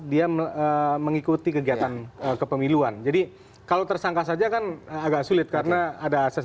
dia mengikuti kegiatan kepemiluan jadi kalau tersangka saja kan agak sulit karena ada asas